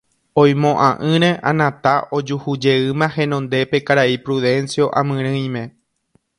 oimo'ã'ỹre Anata ojuhujeýma henondépe karai Prudencio amyrỹime